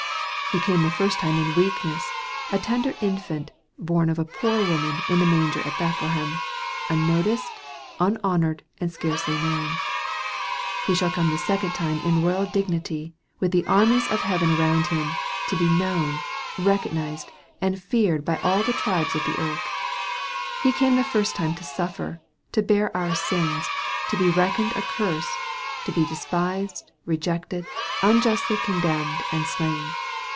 He came the first time in weakness, a tender infant, born of a poor woman in the manger at Bethle hem, unnoticed, unhonored, and scarcely known. He shall come the second time in royal dignity, with the armies of heaven around Him, to be known, recognized, and feared by all the tribes of the earth. He came the first time to suffer to bear our sins to be reckoned a curse to be despised, rejected, unjustly condemned, and slain.